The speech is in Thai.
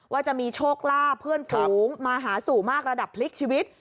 ว่าจะมีโชคลาภเพื่อนฝูงมาหาสู่มากระดับพลิกชีวิต